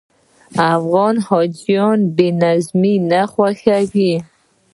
افغان حاجیان بې نظمي نه خوښوي.